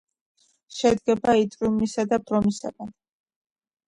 შედგება იტრიუმისა და ბრომისგან.